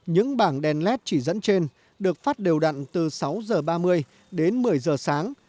những bảng đèn led chỉ dẫn trên được phát đều đặn từ sáu h ba mươi đến một mươi giờ sáng